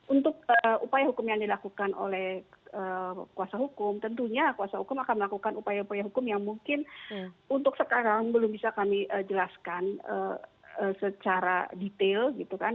untuk upaya hukum yang dilakukan oleh kuasa hukum tentunya kuasa hukum akan melakukan upaya upaya hukum yang mungkin untuk sekarang belum bisa kami jelaskan secara detail gitu kan